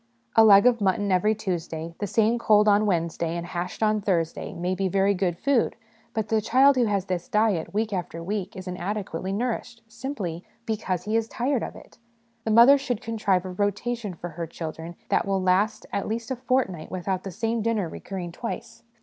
A leg of mutton every Tuesday, the same cold on Wed nesday, and hashed on Thursday, may be very good food ; but the child who has this diet week after week is inadequately nourished, simply because he is 28 HOME EDUCATION tired of it. The mother should contrive a rotation for her children that will last at least a fortnight without the same dinner recurring twice.